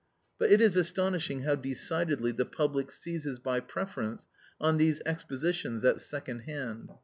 But it is astonishing how decidedly the public seizes by preference on these expositions at second hand.